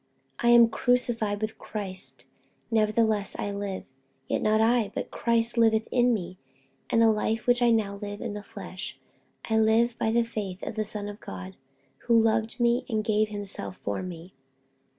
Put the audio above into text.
48:002:020 I am crucified with Christ: neverthless I live; yet not I, but Christ liveth in me: and the life which I now live in the flesh I live by the faith of the Son of God, who loved me, and gave himself for me.